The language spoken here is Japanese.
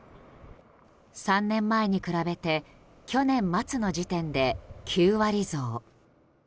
３年前に比べて去年末の時点で９割増。